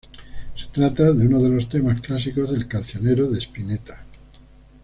Se trata de uno de los temas clásicos del cancionero de Spinetta.